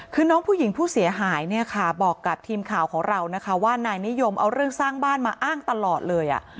คือน้องผู้หญิงผู้เสียหายเนี่ยค่ะบอกกับทีมข่าวของเรานะคะว่านายนิยมเอาเรื่องสร้างบ้านมาอ้างตลอดเลย